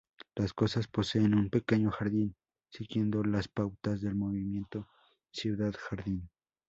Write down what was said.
Las casas poseen un pequeño jardín siguiendo las pautas del movimiento Ciudad Jardín.